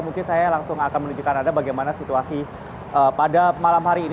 mungkin saya langsung akan menunjukkan anda bagaimana situasi pada malam hari ini